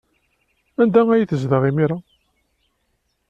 Anda ay tezdeɣ imir-a?